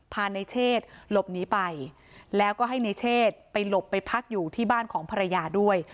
พาในเชศหลบหนีไปแล้วก็ให้ในเชศไปหลบไปพักอยู่ที่บ้านของภรรยาด้วย